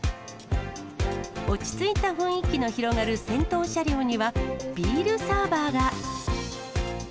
落ち着いた雰囲気の広がる先頭車両には、ビールサーバーが。